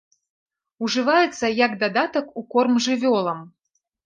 Ужываецца як дадатак у корм жывёлам.